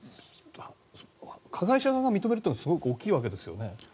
加害者側が認めるというのはすごい大きいわけですよね。